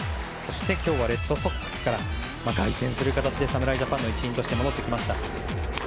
今日はレッドソックスから凱旋する形で侍ジャパンの一員として戻ってきました。